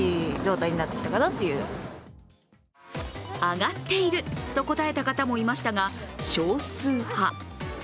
上がっていると答えた方もいましたが、少数派。